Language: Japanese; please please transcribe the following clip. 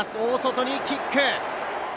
大外にキック！